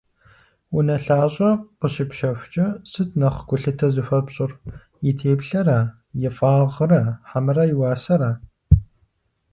Унэлъащӏэ къыщыпщэхукӏэ сыт нэхъ гулъытэ зыхуэпщӏыр: и теплъэра, и фӏагъра хьэмэрэ и уасэра?